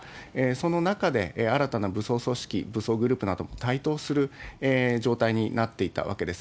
その中で、新たな武装組織、武装グループなども台頭する状態になっていたわけです。